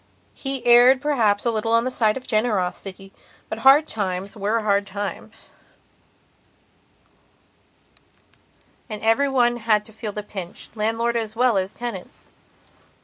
He erred perhaps a little on the side of generosity, but hard times were hard times, and every one had to feel the pinch, landlord as well as tenants.